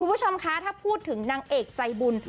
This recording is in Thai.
คุณผู้ชมคะถ้าพูดถึงนางเอกใจบุญ